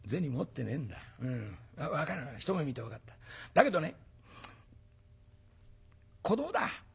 だけどね子どもだ。